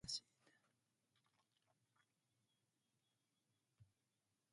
The name of the man who lost his soul is revealed in a dream.